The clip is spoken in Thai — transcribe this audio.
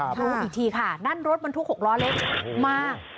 รู้อีกทีค่ะนั่นรถบรรทุก๖ล้อเล็กมา